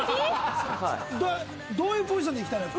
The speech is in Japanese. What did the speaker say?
どういうポジションでいきたいの？